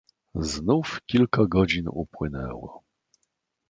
"Znów kilka godzin upłynęło."